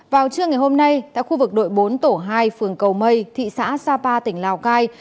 vào trưa ngày hôm nay tại khu vực đội bốn tổ hai phường cầu mây thị xã sapa tỉnh lào cai